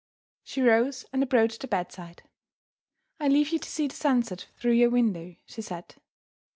She rose, and approached the bedside. "I leave you to see the sunset through your window," she said.